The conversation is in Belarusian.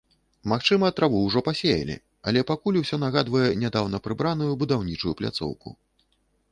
Магчыма, траву ўжо пасеялі, але пакуль усё нагадвае нядаўна прыбраную будаўнічую пляцоўку.